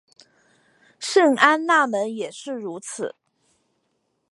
圣安娜门也是如此。